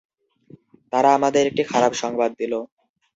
তারা আমাদের একটি খারাপ সংবাদ দিলো।